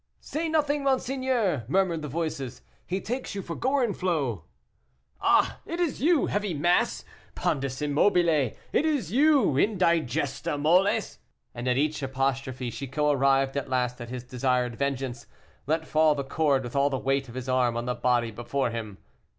"Say nothing, monseigneur!" murmured the voices, "he takes you for Gorenflot." "Ah! it is you, heavy mass pondus immobile; it is you, indigesta moles!" And at each apostrophe, Chicot, arrived at last at his desired vengeance, let fall the cord with all the weight of his arm on the body before him.